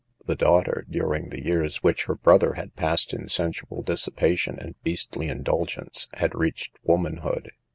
The daughter, during the years which her brother had passed in sensual dissipation and beastly indulgence, had reached womanhood.